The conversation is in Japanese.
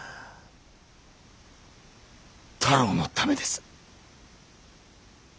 太郎のためです。